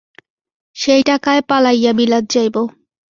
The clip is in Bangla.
সেই টাকায় পালাইয়া বিলাত যাইব।